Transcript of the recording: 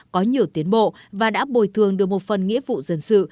có nhiều tiến bộ và đã bồi thường được một phần nghĩa vụ dân sự